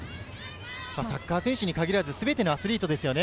サッカー選手に限らず全てアスリートですよね。